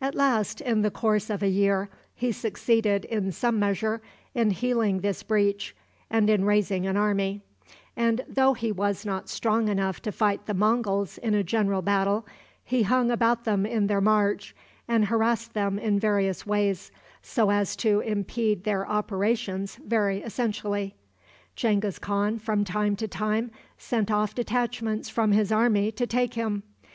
At last, in the course of a year, he succeeded, in some measure, in healing this breach and in raising an army; and, though he was not strong enough to fight the Monguls in a general battle, he hung about them in their march and harassed them in various ways, so as to impede their operations very essentially. Genghis Khan from time to time sent off detachments from his army to take him.